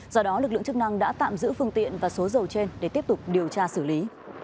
do đó lực lượng chức năng đã tạm giữ phương tiện và số dầu trên để tiếp tục điều tra xử lý